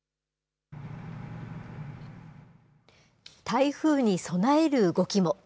台風に備える動きも。